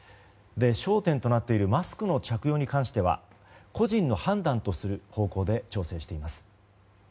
焦点となっているマスクの着用に関しては個人の判断とする方向で調整しています。